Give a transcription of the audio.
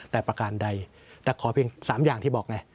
แต่ประการใดแต่ขอเพียง๓อย่างที่บอกไง